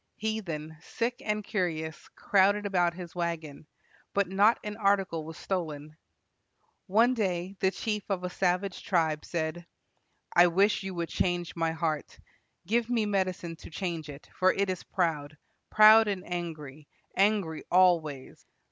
Heathen, sick and curious, crowded about his wagon, but not an article was stolen. One day the chief of a savage tribe said: "I wish you would change my heart. Give me medicine to change it; for it is proud, proud and angry, angry always."